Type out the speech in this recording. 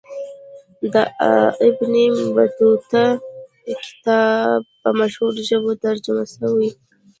د ابن بطوطه کتاب په مشهورو ژبو ترجمه سوی.